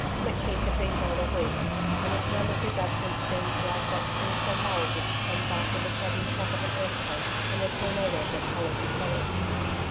McKeith had been gone a week, and the time of his absence seemed like that sinister lull which comes after the sudden shock of an earthquake and the tornado that follows upon it.